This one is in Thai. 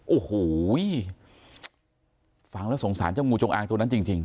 โอ้โหฟังแล้วสงสารเจ้างูจงอางตัวนั้นจริง